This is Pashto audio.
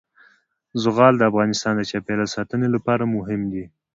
زغال د افغانستان د چاپیریال ساتنې لپاره مهم دي.